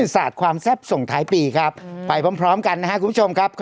สาดความแซ่บส่งท้ายปีครับไปพร้อมกันนะครับคุณผู้ชมครับ